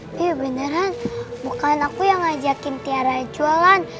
tapi beneran bukan aku yang ngajakin tiara jualan